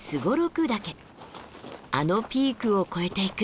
あのピークを越えていく。